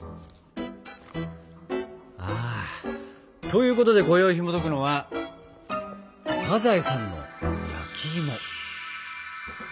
ということでこよいひもとくのは「サザエさんの焼きいも」。